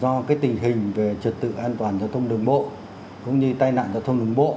do cái tình hình về trật tự an toàn giao thông đường bộ cũng như tai nạn giao thông đường bộ